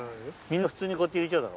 んな普通にこうやって入れちゃうだろ？